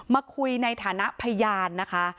มาคุยในฐานะพยานนะคะ